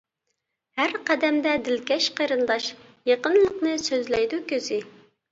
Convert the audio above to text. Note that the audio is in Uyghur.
ھەر قەدەمدە دىلكەش قېرىنداش، يېقىنلىقنى سۆزلەيدۇ كۆزى.